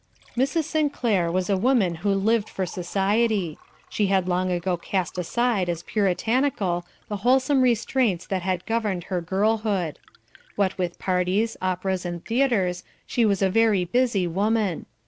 Mrs. Sinclair was a woman who lived for society; she had long ago cast aside as Puritanical the wholesome restraints that had governed her girlhood. What with parties, operas and theatres, she was a very busy woman.